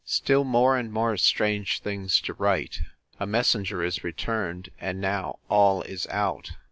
Still more and more strange things to write! A messenger is returned, and now all is out!